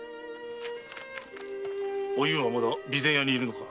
おゆうはまだ備前屋にいるのか？